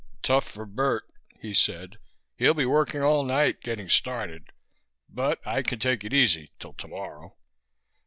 "Tough for Bert," he said. "He'll be working all night, getting started but I can take it easy till tomorrow.